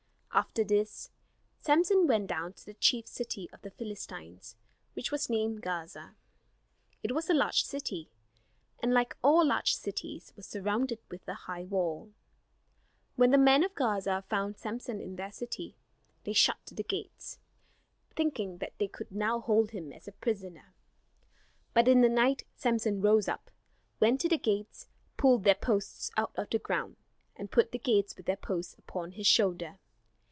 After this Samson went down to the chief city of the Philistines, which was named Gaza. It was a large city; and like all large cities, was surrounded with a high wall. When the men of Gaza found Samson in their city, they shut the gates, thinking that they could now hold him as a prisoner. But in the night Samson rose up, went to the gates, pulled their posts out of the ground, and put the gates with their posts upon his shoulder.